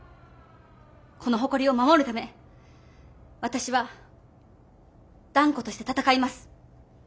この誇りを守るため私は断固として闘います。